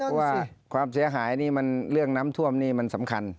เพราะว่าความเสียหายนี่มันเรื่องน้ำท่วมนี่มันสำคัญ